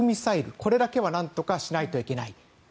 これだけは何とかしないといけない。